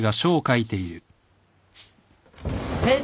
先生！